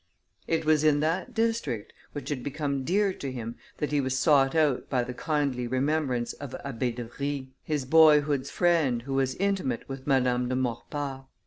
It was in that district, which had become dear to him, that he was sought out by the kindly remembrance of Abbe de Wry, his boyhood's friend, who was intimate with Madame de Maurepas.